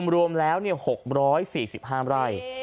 รวมแล้ว๖๔๕ไร่